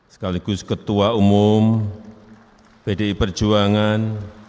sekaligus ketua umum pdi perjuangan